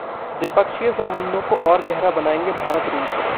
द्विपक्षीय संबंधों को और गहरा बनाएंगे भारत-रूस